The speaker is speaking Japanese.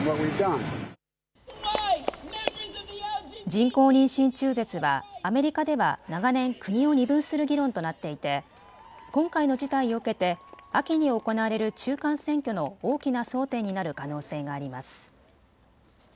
人工妊娠中絶はアメリカでは長年国を二分する議論となっていて今回の事態を受けて秋に行われる中間選挙の大きな争点になる可能性があります。